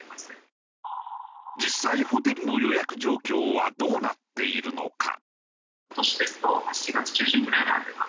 実際ホテルの予約状況はどうなっているのか？